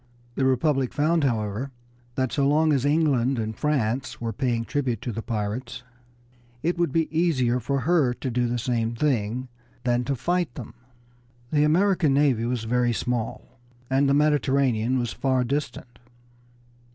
The Republic found, however, that so long as England and France were paying tribute to the pirates it would be easier for her to do the same thing than to fight them. The American Navy was very small, and the Mediterranean was far distant.